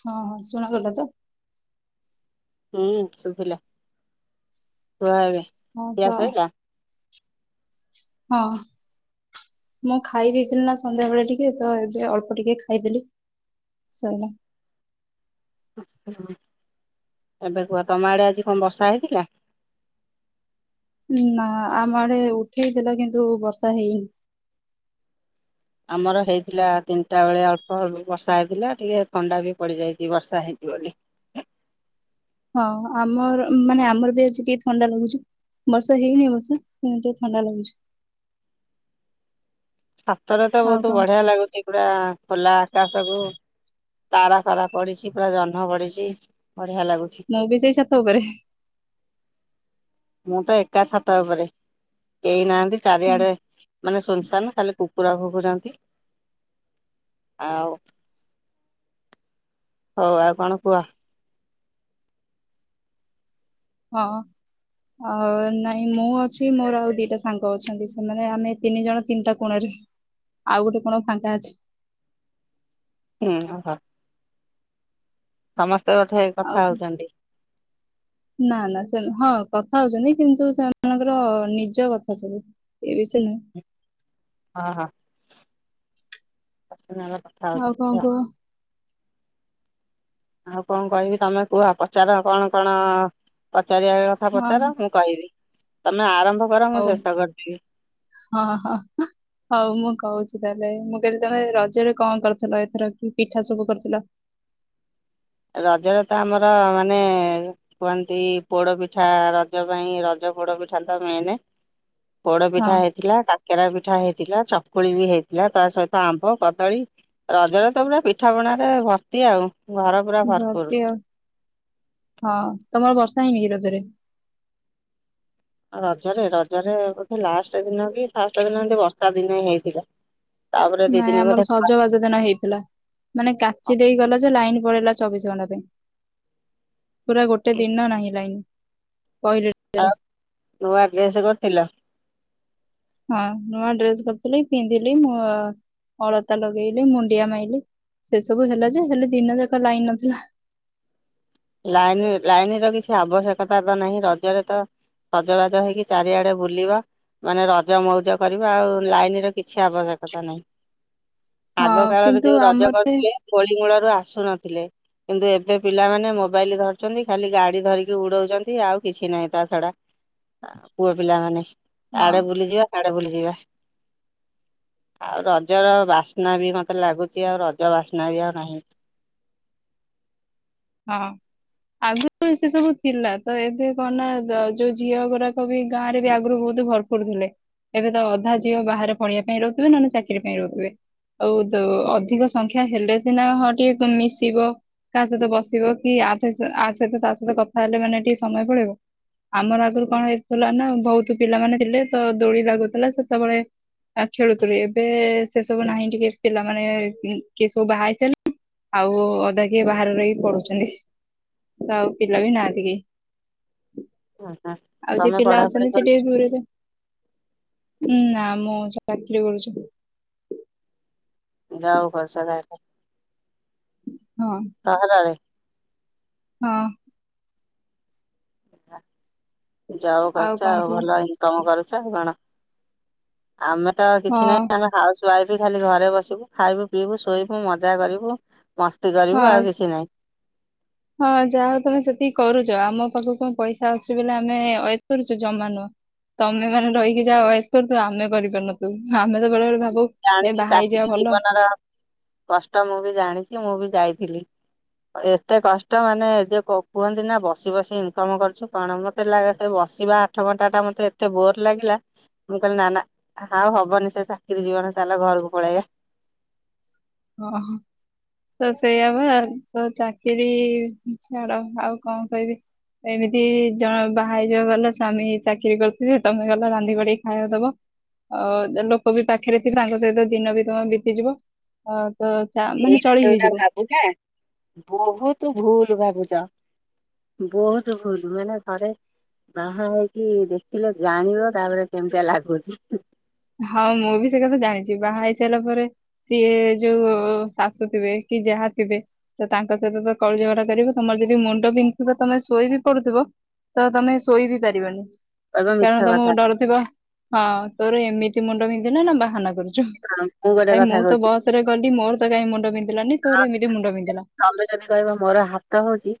ହଁ ହଁ ଶୁଣ ଗଲା ତ। ହୁଁ ଶୁଭିଲା କୁଆ ଏବେ। ହଉ ଖିଆ ତ ସଇଲା? ହଁ। ମୁଁ ଖାଇ ଦେଇେଇଥିଲି ନା ସନ୍ଧ୍ୟାବେେଳେ ଟିକେ ତ ଏବେ ଅଳ୍ପ ଟିକେ ଖାଇଦେଲି ଶଣ ହ ହ। ଏବେ କୁହ ତମ ଆଡେ ଆଜି କଣ ବର୍ଷା ହେଇଥିଲା। ନା ଆମଡେ ଉଠେଇ ଦେଥିଲା କିନ୍ତୁ ବର୍ଷା ହେଇନି। ଆମର ହେଇଥିଲା ତିନିଟା ବେଳେ ଅଳ୍ପ ଅଳ୍ପ ବର୍ଷା ହେଇଥିଲା ଟିକେ ଥଣ୍ଡା ବି ପଡିଯାଇଛି ବର୍ଷା ହେଇ [unintelligible] ହଁ ଆମର ମାନେ ଆମର ବି ଆଜିି ଟିକେ ଥଣ୍ଡା ଲାଗୁଛି। ବର୍ଷ ହେ ନହିଁ ଅବସ କି ଥଣ୍ଡା ଲାଗୁଛି। ହାତରେ ତ ଆଉ ବହୁତ କଣ ବଢିଆ ଲାଗୁଛି ପୁରା ଖୋଲା କାଶ କୁ ତାରା ଫାରା ପଡିଛି ପୁରା ଜହ୍ନ ପଡିଛି ବଢିଆ ଲାଗୁଛି ମୁଁ ବି ସେଇଛାତ ଉପରେ। ମୁଁ ତ ଏକା ଛାତ ଉପରେ। କେଇ ନାହାନ୍ତି ଚାରିଆଡେ ମାନେ ସୁନସାନ ଖାଲି କୁକୁର ଭକୁୁଛନ୍ତି। ଆଉ ହଉ ଆଉ କଣ କୁହ। ହଁ। ଅ ନାଇଁ ମୁଁ ଅଛି ମୋର ଆଉ ଦିଟା ସାଙ୍ଗ ଅଛନ୍ତି ସେମାନେ ଆମେ ତିନି ଜଣ ତିନିଟା କୋଣରେ ଆଉ ଗୋଟେ କଣ ଫାଙ୍କା ଅଛି। ହୁଁ ହୋ। ସମସ୍ତେ କଠ ଆଉ କଥା ହଉଛନ୍ତି। ନା ନା ସେ ହଁ କଥା ହଉଛନ୍ତି କିନ୍ତୁ ସେମାନଙ୍କର ନିଜ କଥା ସବୁ। କିଛି ନୁହଁ। ଓହୋ ନାଁ ବା କଥା ଆଉ କଣ ହେଉଥିଲି ତ କୁହ ଆଉ କଣ କହିବି ତମେ କୁହ ପଚାର କଣ କଣ ଚାରିଆଡ଼ କଥା ହଁ ପଚାର ମୁଁ କହିବି ତମେ ଆରମ୍ଭ କର ମୁଁ ହଉ ଶେଷ କରିଦେବି। ହଁ ହଁ ହଉ ମୁଁ କହୁଛି। ତାହେଲେ ମୁଁ କହିଲି ତମେ ରଜରେ କଣ କରିଥିଲ ଏଥର କି ପିଠା ସବୁ କରିୁଥିଲ? ରଜରେ ତ ଆମର ମାନେ କୁହନ୍ତି ପୋଡ଼ ପିଠା ରଜ ପାଇଁ ରଜ ପୋଡ଼ ପିଠା ତ ମନେ କଣ? ପୋଡ ପିଠା ହେଇଥିଲା, କାକେରା ପିଠା ହେଇ ଥିଲା ଚକୁଳି ବି ହେଇଥିଲା ତା ସହିତ ଆମ୍ବ କଦଳୀ ରଜରେ ତ ପୁରା ପିଠା ପଣାରେ ଭର୍ତ୍ତି ଆଉ ଘ ଭ ଆ ହଁ ତମର ବର୍ଷ ନାଇଁ ଏ ରଜରେ ରଜରେ - ରଜରେ ବୋଧେ ଲାଷ୍ଟ ଦିନ କି ଫାଷ୍ଟ ଦିନ ଏମିତି ବର୍ଷା ଦିନ ହେଇଥିଲା। ତାପରେ ଦି ନାଇଁ ଦିନ ବୋଧେ ଆମର ସଜବାଜ ଦିନ ହେଇଥିଲା ମାନେ କାଚି ଦେଇ ଗଲା ଯେ ଲାଇନ ପଳେଇଲା ଚବିଶ ଘଣ୍ଟା ପାଇଁ ପୁରା ଗୋଟେ ଦିନ ନାହିଁ ଲାଇନ କହିଲେ ଟିଚର। ଆଉ ନୂଆ ଡ୍ରେସ୍ କରିଥିଲ? ହଁ ନୂଆ ଡ୍ରେସ କରିଥିଲି ପିନ୍ଧିଲି ମୁଁ ଅଳତା ଲଗେଇଲେ ମୁଣ୍ଡିଆ ମାଇଲି ସେ ସବୁ ହେଲା ଯେ ହେଲେ ଦିନ ଯାକ ଲାଇନ୍ ନଥିଲା। [unintelligible] ଲାଇନି ଲାଇନି ର କିଛି ଆବଶ୍ୟକତା ତ ନାହିଁ ରଜରେ ତ ସଜବାଜ ହେଇକି ଚାରିଆଡ଼େ ବୁଲିବ ମାନେ ରଜ ମଉଜ କରିବା ଆଉ ଲାଇନ ର କିଛି ଆବଶ୍ୟକତା ନାହିଁ। ଆଗ ହଁ କାଳରେ କିନ୍ତୁ ଯୋଉଁ ରଜ ଆମର କରୁଥିଲେ ଦୋଳି ମୂଳ ଆସୁନଥିଲେ କିନ୍ତୁ ଏବେ ପିଲାମାନେ ମୋବାଇଲ ଧରିଛନ୍ତି ଖାଲି ଗାଡି ଧରିକି ଉଡଉଛନ୍ତି ଆଉ କିଛି ନାହିଁ ତା ଛଡା ପୁଅ ପିଲାମାନେ ହଁ ଆଡ଼େ ବୁଲିଯିବା ଆଡ଼େ ବୁଲିଯିବା [unintelligible] ଆଉ ରଜର ବାସ୍ନା ବି ମତେ ଲାଗୁଚି ଆଉ ରଜ ବାସ୍ନା ବି ଆଉ ନାହିଁ। ହଁ। ଆଗରୁ ସେ ସବୁ ଥିଲା ତ ଏବେ କଣ ନା ଯୋଉ ଝିଅ ଗୁଡ଼ାକ ବି ଗାଁ ରେ ବି ଆଗରୁ ବହୁତ ଭରପୁର ଥିଲେ ଏବେ ତ ଅଧା ଝିଅ ବାହାରେ ପଢ଼ିବା ପାଇଁ ରହୁଥିବେ ନହେଲେ ଚାକିରି ପାଇଁ ରହୁଥିବେ। ଆଉ ତ ଅଧିକ ସଂଖ୍ୟା ହେଲେ ସିନା ହଁ ଟିକେ ମିଶିବ କାହା ସହିତ ବସ ବ କି ଆସହିତା ତା ସହିତ କଥା ହେଲେ ମାନେ ଟିକେ ସମୟ ପଳେଇବ ଆମର ଆଗରୁ କଣ ହେଇ ଥିଲା ନା ବହୁତ ପିଲାମାନେ ଥିଲେ ତ ଦୋଳି ଲାଗୁଥିଲା ସେତେବେଳେ ଆ ଖେଳୁଥିଲ ଏବେ ସେ ସବୁ ନାହିଁ ଟିକେ ପିଲାମାନନେ କିଏ ସବୁ ବାହା ହେଇସାରିଲେଣି। ଆଉ ଅଧା କିଏ ବାହାରେ ରହିକି ପଢ଼ୁ ଆଉ ପିଲା ବି ନାହାନ୍ତି କେହି? ଆଉ ଯେ ତମେ ପିଲା ପଢାପଢି ଅଛନ୍ତି ସେ କରୁଛ ଟିକେ ଦୂରରେ ନାଁ ମୁଁ ଚାକରି କରୁଛି। ଯା ହୋଉ ବର୍ଷା ଟା ଆଇଲା। ହଁ କହଲାରେ ହଁ। ଯାହଉ କରୁଛ କଣ ଆଉ କୁହ ଭଲ ଇନକମ କରୁଛ ଆଉ କଣ? ଆମେ ତ ହଁ କିଛି ନାହିଁ ଆମେ ହାଉସ୍ ଖାଇ ପି ଖାଲି ଘରେ ବସିବୁ ଖାଇବୁ ପିଇବୁ ଶୋଇବୁ ମଜା କରିବୁ ମସ୍ତି କରିବୁ ହଁ ଆଉ କିଛି ନହିଁ। ହଁ ଯାହା ହଉ ତମେ ସେତିକି କରୁଛ ଆମ ପାଖକୁ କଣ ପଇସା ଆସୁଛି ବୋଲି ଆମେ ଅୟେସ କରୁଛୁ ଜମା ନୁହଁ। ତମେ ମାନେ ରହିକି ଯାହା ଅୟେସ କରୁଥିବ ଆମେ କରିପାରୁନଥିବୁ ଆମେ ତ ବେଳେବେଳେ ଭାବୁ ଏ ଜାଣିିଲି ବାହା ହେଇଯିବା ଚାକିରି ଭଲ ଜୀବନର କଷ୍ଟ ମୁଁ ବି ଜାଣିଛି ମୁଁ ବି ଯାଇଥିଲି। [unintelligible] ଏତେ କଷ୍ଟ ମାନେ ଯ କୁହନ୍ତି ନା ବସି ବସି ଇନକମ କରୁଛୁ କଣ ମତେ ଲାଗେ ସେ ବସି। ଯ ଆଠ ଘଣ୍ଟା ଟା ମୋତେ ଏତେ ବୋର ଲାଗିଲା ମୁଁ କହିଲି ନାଁ ନାଁ ଆଉ ହବନି ସେ ଚାକିରୀ ଜୀବନ। ତାହେଲେ ଘରକୁ ପଳେଇବା। ଓ ହୋ ତ ସେଇଆ ବା ତ ଚାକିରି ଛାଡ ଆଉ କଣ କହିବି। ଏମିତି ଜଣ ବାହା ହେଇ ଯିବ ଗଲ ସ୍ୱାମୀ ଚାକିରି କରିଥିବେ ତମେ ଗଲ ରାନ୍ଧି ବାଡିକି ଖାଇବାକୁ ଦବ। ଆ ଲୋକ ବି ପାଖରେ ତାଙ୍କ ସହିତ ଦିନ ବି ତମେ ବିତିଯିବ। ଅ ତ ଚା- ମାନେ ଏଇଟା ଚଳି ଯୋଉଟା ହେଇଯିବ ଭାବୁନା ବହୁତ ଭୁଲ ଭାବୁଚ। ବହୁତ ଭୁଲ ମାନେ ଥରେ ବାହା ହେଇକି ଦେଖିଲେ ଜାଣିବ ତାପରେ କେମିତିଆ ଲାଗୁଛି। ହଁ ମୁଁ ବି ସେ କଥା ଜାଣିଛି ବାହା ହେଇ ସାରିଲା ପରେ ସିଏ ଯୋଉ ଶାଶୁ ଥିବେ କି ଯାହା ଥିବେ ତ ତାଙ୍କ ସହିତ ତ କଳି ଝଗଡା କରିବେ ତମର ଯଦି ମୁଣ୍ଡ ପିନ୍ଧିଥିବ ତମେ ଶୋଇ ବିି ପଡୁଥିବ ତ ତମେ ଶୋଇ ବି ପାରିବନି। କହିବ ମିଛ କାରଣ ତମକୁ କଥା। ଡରୁଥିବ ହଁ ତୋର ଏମିତି ମୁଣ୍ଡ ପିନ୍ଧିଲା ନା ବାହାନା କରୁ ଚୁ ମୁଁ ଗୋଟେ କାଇଁ ମୁଁ କଥା ତ ବସରେ ଗଲି ମୋର ତ କାଇଁ ମୁଣ୍ଡ ବିିନ୍ଧ୍ ଆଉ ତମେ ଯଦି କହିବ ମୋର ହାତ ହୋଉଚି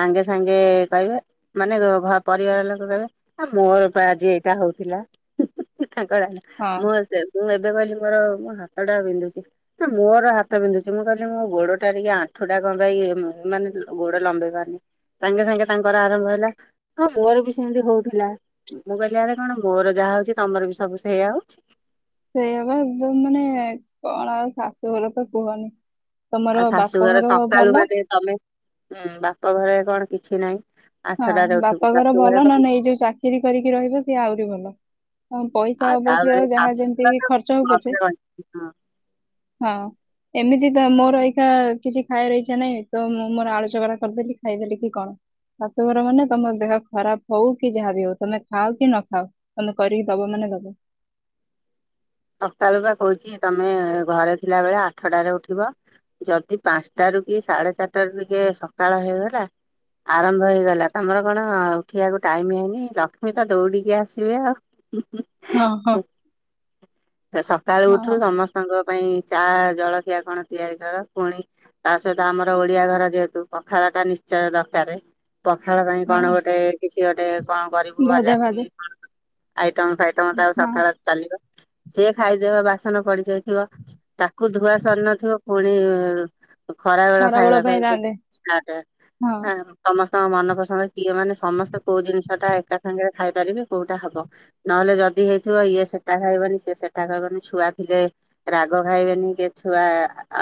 ସାଙ୍ଗେ ସାଙ୍ଗେ କହିବେ ମାନେ ରୋ-ଘ-ପରିବାର ଲୋକ କହିବେ ଆ ମୋରପା ଆଜି ଏଇଟା ହୋଉଥିଲା। [unintelligible] ହଁ ମୁଁ ସେ ମୁଁ ଏବେ କହିଲି ମୋର ମୋ ହାତଟା ବିନ୍ଧୁଚି ନା ମୋର ହାତ ବିନ୍ଧୁଚି ମୁଁ କ ମୋ ଗୋଡଟା ଟିକେ ଆଣ୍ଠୁଟା କଣ ପାଇଁ ମାନେ ଗୋଡ ଲମ୍ବେଇ ପାରନି ସାଙ୍ଗେ ସାଙ୍ଗେ ତାଙ୍କର ଆରମ୍ଭ ହେଲା ହଁ ମୋର ବି ସେମିତି ହୋଉଥିଲା ଉ-ମୁଁ କହିଲି ଆରେ କଣ ମୋର ଯାହା ଯାହା ହୋଉଚି ତମର ବି ସବୁ ସେଇଆ ହୋଉଚି? ସେଇଆ ପା ଯୋଉ ମାନେ କଣ ଆଉ ଶାଶୁଘର ତ କୁହନି। ତମର ଆଉ ଶାଶୁଘର ବାପଘର ଭଲ ସକାଳୁ ମାନେ ତମେ ଉଁ-ବାପଘରେ କଣ କିଛି ନାହିଁ। ହଁ ଆଠଟାରେ ଉଠିବୁ ବାପାଘର ଶାଶୁ ଘରେ ଭଲ କଣ ନହନେ ଏଇ ଯୋଉ ଚାକିରି କରିକି ରହିବ ସିଏ ଆହୁରି ଭଲ। ହଁ ପଇସା ଆଉ ଅବଶ୍ୟ ଆ ତାପରେ ଯାହା ଶାଶୁ ଯେମିତି ହେଇକି ଘରେ ଖର୍ଚ୍ଚ ହୋଉ ପଛେ ମତେ କହିଛି ହଁ ହଁ। ଏମିତି ତ ମୋର ଏଇଖାଁ କିଛି ଖାଇବାର ଇଛା ନାହିଁ ତ ମୁଁ ମୋର ଆଳୁ ଚକଟା କରିଦେଲି ଖାଇଦେଲି କି କଣ। ଶାଶୁଘର ମାନେ ତମ ଦେହ ଖରାପ ହୋଉ କି ଯାହାବି ହୋଉ ତମେ ଖାଅ କି ନଖାଅ ତମେ କରିକି ଦବ ମାନେ ଦବ। ସକାଳୁ ପା କୋହୁଚି ତମେ ଘରେ ଥିଲା ବଳେ ଆଠଟାରେ ଉଠିବ ଯଦି ପାଞ୍ଚଟାରେ ରୁକି ସାଢେ ଚାରିଟାରୁ ଟିକେ ସକାଳ ହେଇଗଲା ଆରମ୍ଭ ହେଇଗଲା ତମର କଣ ଆ ଉଠିବାକୁ ଟାଇମି ହେଇନି ଲକ୍ଷ୍ମୀ ତ ଦୌଡିକି ଆସିବେ ଆଉ ହଁ ହଁ। ଫେର ସକାଳୁ ଉଠୁଣୁ ହଁ ସମସ୍ତଙ୍କ ପାଇଁ ଚା ଜଳଖିଆ କଣ ତିଆରି କର ପୁଣି ତାସହିତ ଆମର ଓଡିଆ ଘର ଯେହେତୁ ପଖାଳଟା ନିଶ୍ ଚଁୟ ଦରକାରେ। ପଖାଳ ପାଇଁ ହଁ କଣ ଗୋଟେ କିଛି ଗୋଟେ କଣ କରିବୁ ଭଜା କି କଣ ଆଇ ଟମ ଫାଇଟମ ତାକୁ ହଁ ସକାଳେ ଚାଲିବ। ସିଏ ଖାଇଦେବା ବାସନ ପଡିଯାଇଥିବ ତାକୁ ଧୁଆ ସରିନଥିବ ଫୁଣି ଖରାବେଳ ଖାଇବା ପାଇଁ ହୋଉଚି ଷ୍ଟାର୍ଟେ ହଁ ହଁ-ସମସ୍ତଙ୍କ ମନ ପସନ୍ଦ ଇଏ ମାନେ ସମସ୍ତେ କୋଉ ଜିନିଷଟା ଏକା ସାଙ୍ଗରେ ଖାଇପାରି ବି କୋଉଟା ହବ ନହେଲେ ଯଦି ହେଇଥିବ ଇଏ ସେଟା ଖାଇବନି ସି କିଏ ସେଟା ଖାଇବନି ଛୁଆ ଥିଲେ ରାଗ ଖାଇବେନି କି ଛୁଆ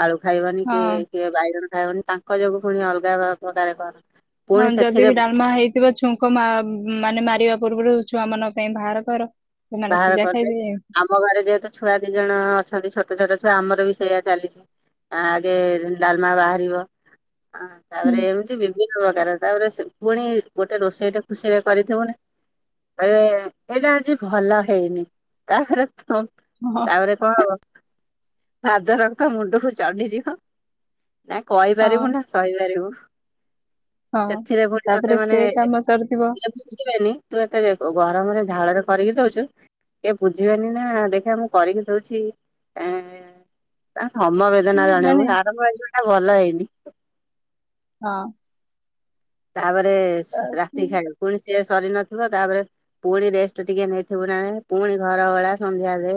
ଆଳୁ ଖାଇବନି ହଁ କି କିଏ ବାଇଗଣ ଖାଇବନି ତାଙ୍କ ଯୋଗୁ ଫୁଣି ଅଲଗା ପ୍ରକାରେ କରୁ ହଁ ଯଦି ବି ଡାଲମା ହେଇଥିବ ଛୁଙ୍କ ମା-ମାନେ ମାରିବା ପୂର୍ବୁରୁ ଛୁଆମାନଙ୍କ ପାଇଁ ଭାରକର। ବାହାର କରିଦେ ଆମ ଘରେ ଯେହେତୁ ଛୁଆ ଦିଜଣ ଅଛନ୍ତି ଛୋଟ ଛୋଟ। ଛୁଆ ଆମର ବି ସେଇଆ ଚାଲିଚି ଆ-ଆଗେ ଡାଲମା ବାହାରିବ। ଆଁ ହୁଁ ତାପରେ ଏମତି ବିଭିନ୍ନ ପ୍ରକାର। ତାପରେ ସେ ପୁଣି ଗୋଟେ ରୋଷେଇଟେ ଖୁସିରେ କରିଥିବୁନି କହିବେ ଏଇଟା ଆଜି ଭଲ ହେଇନି ତାପରେ ହଁ ତମ୍-ତାପରେ କଣ ହବ ଫାଦର ତୋ ମୁଣ୍ଡକୁ ଚଢିଯିବ ନା ହଁ କହିପାରିବୁ ନା ସହିପାରିବୁ। ହଁ ସେଥିରେ ଫୁଣି ତାପରେ ତତେ ମାନେ ସେ ଏ କାମ ସରିଥିବ [unintelligible] ତୁ ଏତେ ଏ-ଗ-ଗରମରେ ଝାଳରେ କରିକି ଦୋଉଛୁ ଇଏ ବୁଝିବେନି ନା ଦେଖିଆ ମୁଁ କରିକି ଦୋଉଛି ଆଁ ତା ସମବେଦନା ମାନେ ଜଣେଇବୁ ଆରମ୍ଭ ହେଇଯିବ ଏଟା ଭଲ ହେଇନି। ହଁ। ତାପରେ ତା ସେ ଶୋ-ରାତିକି ଖାଇବୁ ପୁଣି ସିଏ ସରିନଥିବ ତାପରେ ପୁଣି ରେଷ୍ଟେ ଟିକେ ନେଇଥିବୁ ନା ନାଇଁ ପୁଣି ଘର ଓଳା ସନ୍ଧ୍ୟା ଦେ।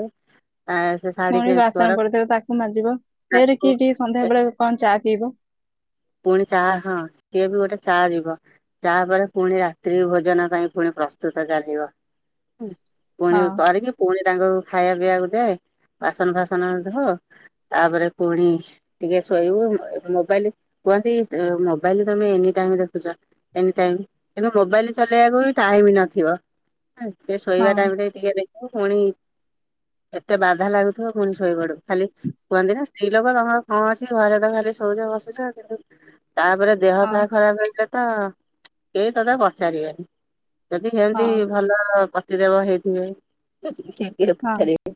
ସେ ଶାଢୀ ପୁଣି ଚେଞ୍ଜ କର ବାସନ ପଡିଥିବ ତାକୁ ମାଜିବ ଫେରେ ତାକୁ କିଏ ଟିକେ ଏ ସନ୍ଧ୍ୟାବେଳେ କଣ ଚା ପିଇବ। [inaudible] ପୁଣି ଚା ହଁ ସିଏ ବି ଗୋଟେ ଚାହା ଯିବ ତାପରେ ପୁଣି ରାତ୍ରି ଭୋଜନ ପାଇଁ ପୁଣି ପ୍ର ପ୍ରସ୍ତୁତ ଚାଲିବ। [inaudible] ପୁଣି ହଁ କରିକି ପୁଣି ତାଙ୍କୁ ଖାଇବା ପିଇବାକୁ ଦେ। ବାସନ ଫାସନ ଧ ତାପରେ ପୁଣି ଟିକେ ଶୋଇବୁ, ମୋବାଇଲ କୁହନ୍ତି ମୋବାଇଲ ତମେ ଏନି ଟାଇମ ଦେଖୁଛ ଏନି ଟାଇମ କିନ୍ତୁ ମୋବାଇଲ ଚଲେଇବାକୁ ଟାଇମ ନଥିବ ସେ ହଁ ଶୋଇବା ଟାଇମ ରେ ଟିକେ ଦେଖିବ ପୁଣି ଏତେ ବାଧା ଲାଗୁଥିବ ପୁଣି ଶୋଇପଡ, ଖାଲି କୁହନ୍ତି ନା ସ୍ତ୍ରୀ ଲୋକ ତମର କଣ ଅଛି ଘରେ ତ ଖାଲି ସୋଉଚ ବସୁଛ କିନ୍ତୁ ତାପରେ ଦେହ ହଁ ପେହ ଖରାପ ହେଲେ ତ କେହି ପଦେ ପଚାରିବେନି, ଯଦି ସେନ୍ତି ହଁ ଭଲ ପତି ଦେବ ହେଇଥିବେ, ହଁ ପଚାରିବେ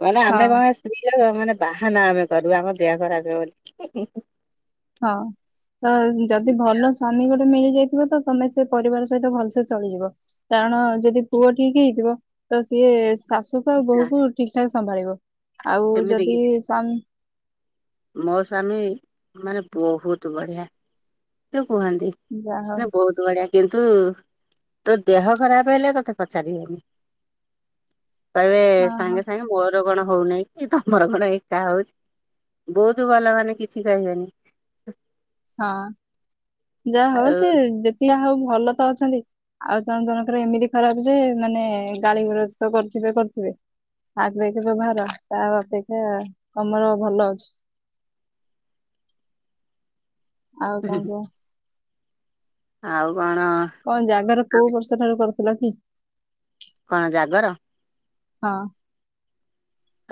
କହେ ଆମେ ହଁ କଣ ସ୍ତ୍ରୀ ର ମାନେ ବାହାନା ଆମେ କରିବୁ ଆମ ଦେହ ଖରାପ ହବ ବୋଲି। ହଁ ତ ଯଦି ଭଲ ସ୍ୱାମୀ ଗୋଟେ ମିଳି ହେଇଥିବ ତ ତମେ ସେ ପରିବାର ସହିତ ଭଲସେ ଚଳିଯିବ, କାରଣ ଯଦି ପୁଅ ଠିକ ହେଇଥିବ ତ ସେ ସିଏ ଶାଶୁ କୁ ଆଉ ନା ବୋହୂ କୁ ଠିକ ଠାକ ସମ୍ଭାଳିବ ଆଉ ସେମିତି ଯଦି କିଛି ସ୍ଵା ମୋ ସ୍ଵାମୀ ମାନେ ବହୁତ ବଢିଆ। କୁହନ୍ତି ଯାହା ମ ବହୁତ ବଢିଆ, କିନ୍ତୁ ତୋ ଦେହ ଖରାପ ହେଲେ ତତେ ପଚାରିବେନି। କହିବେ ହଉ ହଁ ହଁ ସାଙ୍ଗେ ସାଙ୍ଗେ ମୋର କଣ ହଉନହିଁ କି ତମର କଣ ଏକା ହଉଛି? ବୋଧ ବାଲା ମାନେ କିଛି ଖାଇବେନି। ହଁ ଯାହା ହଉ ଆଉ ସେ ଯେତିକେ ହଉ ଭଲ ତ ଅଛନ୍ତି, ଆଉ ଜଣ ଜଣଙ୍କର ଏମିତି ଖରାପ ଯେ ମାନେ ଗାଳିଗୁଲଜ ତ କରୁଥିବେ କରୁଥିବେ। ଆଗ ବ୍ୟବହାର ତା ଅପେକ୍ଷା ତମର ଭଲ ଅଛି। [inaudible] ଆଉ କଣ କୁହ। ଆଉ କଣ କଣ ଜାଗର ଆଉ କୋଉ ବର୍ଷ ଠାରୁ କରୁଥିଲ କି? କଣ ଜାଗର ହଁ।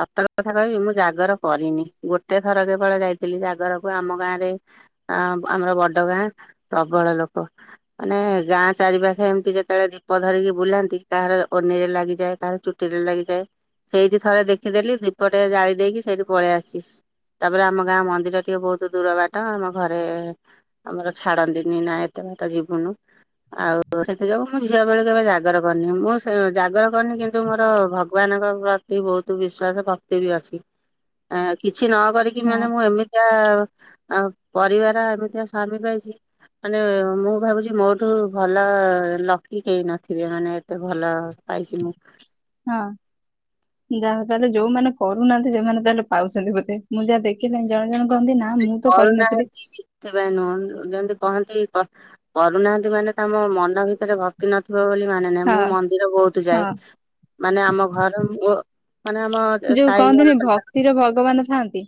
ସତ କଥା କହିବି ମୁଁ ଜାଗର କରିନି, ଗୋଟେ ଥର କେବଳ ଯାଇଥିଲି ଜାଗରକୁ ଆମ ଗାଁରେ ଅ ଆମର ବଡ ଗାଁ ପ୍ରବଳ ଲୋକ ମାନେ ଗାଁ ଚାରିପାଖେ ଏମତି ଯେତେବେଳେ ଦୀପ ଧରିକି ବୁଲନ୍ତି, କାହାର ଓନିରେ ଲାଗିଯାଏ, କାହାର ଚୁଟି ରେ ଲାଗିଯାଏ ସେଇଠି ଥରେ ଦେଖ ରଖିଦେଲି ଦୀପଟେ ଜାଳି ଦେଇକି ସେଇଠି ପଳେଇ ଆସି ତାପରେ ଆମ ଗାଁ ମନ୍ଦିର ଟିକେ ବହୁତ ଦୂର ବାଟ ଆମ ଘରେ ଆମର ଛାଡନ୍ତିନି ନା ଏତେ ଟା ଜୀବନ। ଆଉ ସେଥି ଯୋଗୁ ମୁଁ ଝିଅ ବେଳେ କେବେ ଜାଗର କରିନି ମୁଁ ସେ ଜାଗର କରିନି କିନ୍ତୁ ମୋର ଭଗବାନ ପ୍ରତି ବହୁତ ବିଶ୍ଵାସ ଭକ୍ତି ବି ଅଛି ଆ କିଛି ନ କରିକି ହଁ ମାନେ ମୁଁ ଏମିତିଆ ଆ ପରିବାର ଏମିତିଆ ସ୍ୱାମୀ ପାଇଛି ମାନେ ମୁଁ ଭାବୁଛି ମୋଠୁ ଭଲ ଲକି କେହି ନଥିବେ, ମାନେ ଏତେ ଭଲ ପାଇଛି ମୁଁ। ହଁ। ଯାହା ତାହେଲେ ଯୋଉମାନେ କରୁନାହାନ୍ତି ସେମାନେ ତାହେଲେ ପାଉଛନ୍ତି ବୋଧେ, ମୁଁ ଯାହା ଦେଖିଲି ଜଣେ ଜଣ କରୁନାହାନ୍ତି ସେଥିପାଇଁ ନୁହଁ ଜେନ୍ତି କହନ୍ତି କରୁନାହାନ୍ତି ମାନେ ତମ ମନ ଭିତରେ ଭକ୍ତି ନଥିବ ବୋଲି ମାନେ ନାହି ହଁ ମୁଁ ମନ୍ଦିର ବହୁତ ହଁ ଯାଏ, ମାନେ ଆମ ଘର ମୋ ମାନେ ଆମ ଯୋଉ ସାଇ ଘର କହନ୍ତିନି ପାଖରେ ଭକ୍ତିରେ ଭଗବାନ ଥାଆନ୍ତି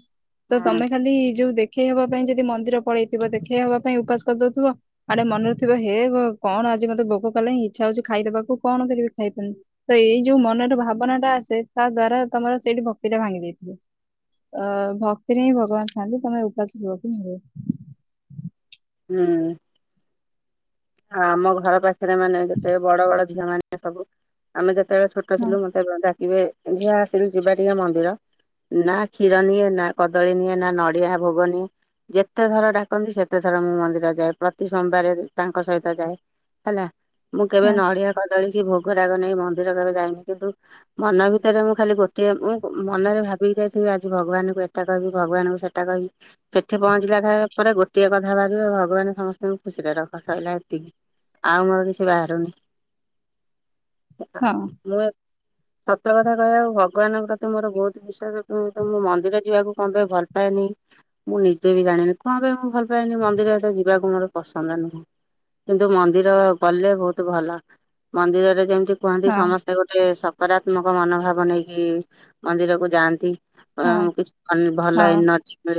ତ ହୁଁ ତମେ ଖାଲି ଯୋଉ ଦେଖ୍ ଦେଖେଇ ହବା ପାଇଁ ଯଦି ମନ୍ଦିର ପଳେଇଥିବ ଦେଖେଇହବା ପାଇଁ ଉପାସ କରିଦଉଥିବ ଆଡେ ମନେରେ ଥିବ ହେ ଭ କଣ ଆଜି ମତେ ଭୋକ କଲେ ହିଁ ଇଚ୍ଛା ହଉଛି ଖାଇଦେବାକୁ କଣ କରିବି ଖାଇଦେମି, ତ ଏଇ ଯୋଉ ମନରେ ଭାବନା ଟା ଆସେ ତା ଦ୍ଵାରା ତମର ସେଇଠି ଭକ୍ତି ଟା ଭାଙ୍ଗି ଦେଇଥିବ। ଅ ଭକ୍ତିରେ ହିଁ ଭଗବାନ ଥାଆନ୍ତି, ତମେ ଉପାସ ଅକୁ ମିଳିବ। ହୁଁ ଆଉ ଆମ ଘର ପାଖରେ ମାନେ ଯେତେ ବଡ ବଡ ଝିଅ ମାନେ ସବୁ ଆମେ ଯେତେବେଳେ ଛୋଟ ହଁ ଥିଲୁ ମତେ ଡାକିବେ ଝିଅ ଆସିଲୁ ଯିବା ଟିକେ ମନ୍ଦିର। ନା କ୍ଷୀର ନିଏ, ନା କଦଳୀ ନିଏ, ନା ନଡିଆ ଭୋଗ ନିଏ, ଯେତେଥର ଡାକନ୍ତି ସେତେ ଥ ର ମୁଁ ମନ୍ଦିର ଯାଏ ପ୍ରତି ସୋମବାର ତାଙ୍କ ସହିତ ଯାଏ ହେଲା। ମୁଁ କେବେ ହଁ ନଡ଼ିଆ, କଦଳୀ କି ଭୋଗ ରାଗ ନାଇଁ ମନ୍ଦିର କେବେ ଯାଇନି। କିନ୍ତୁ ମନ ଭିତରେ ମୁଁ ଖାଲି ଗୋଟିଏ ମୁଁ ମନରେ ଭାବି ଯାଇଥିବି। ଆଜି ଭଗବାନଙ୍କୁ ଏଟା କହିବି ଭଗବାନଙ୍କୁ ସେଟା କହିବି ସେଠି ପହଞ୍ଚିଲା ପରେ ଗୋଟିଏ କ କଥା ବାହାରିବ ଭଗବାନ ସମସ୍ତଙ୍କୁ ଖୁସିରେ ରଖ ସରିଲା ଏତିକି ଆଉ ମୋର କିଛି ବାହାରୁନି। ହଁ ମୁଁ ଏ ସତ କଥା କହିବାକୁ ଭଗବାନଙ୍କ ପ୍ରତି ମୋର ବହୁତ ବିଶ୍ୱାସ, କି ମୁଁ ତ ମନ୍ଦିର ଯିବାକୁ କଣ ପାଇଁ ଭଲ ପାଏ ନି ମୁଁ ନିଜେ ବି ଜାଣିନି କଣ ପାଇଁ ମୁଁ ଭଲ ପାଏନି ମନ୍ଦିର ଏତେ ଯିବାକୁ ମୋର ପସନ୍ଦ ନୁହଁ କିନ୍ତୁ ମନ୍ଦିର ଗଲେ ବହୁତ ଭଲ। ମନ୍ଦିରରେ ଯେମିତି କୁହନ୍ତି ହଁ ସମସ୍ତେ ଗୋଟେ ସକାରାତ୍ମକ ମନୋଭାବ ନେଇକି ମନ୍ଦିରକୁୁ ଯାଆନ୍ତି। ହଁ ଅଁ କିଛି ଭଲ ଭଲ ହଁ। ଏନର୍ଜି ମିଳେ।